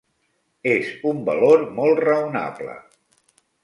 Es un valor molt raonable.